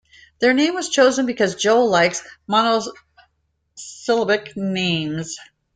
Their name was chosen because Joel likes monosyllabic names.